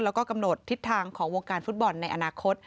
แล้วก็กำหนดทิศทางของวงการฟุตบอลในอนาคต